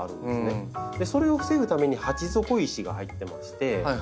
それを防ぐために鉢底石が入ってまして。